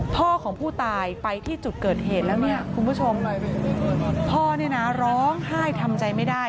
พ่อของผู้ตายไปที่จุดเกิดเหตุแล้วเนี่ยคุณผู้ชมพ่อเนี่ยนะร้องไห้ทำใจไม่ได้